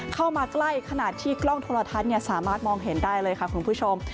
เข้ามาใกล้ขนาดที่กล้องโทรทัศน์สามารถมองเห็นได้เลยค่ะคุณผู้ชม